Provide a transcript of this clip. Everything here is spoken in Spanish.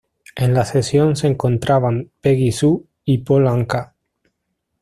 En la sesión se encontraban Peggy Sue y Paul Anka.